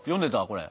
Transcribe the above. これ。